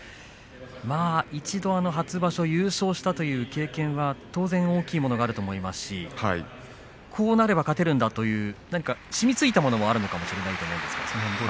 一度、初場所優勝をしたという経験は当然大きいものがあると思いますしこうなれば勝てるんだという何か、しみついたものもあるのかもしれないと思うんですが。